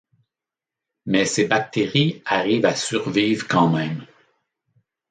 Mais ces bactéries arrivent à survivre quand même.